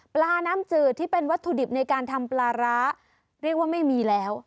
ปลาน้ำจืดที่เป็นวัตถุดิบในการทำปลาร้าเรียกว่าไม่มีแล้ว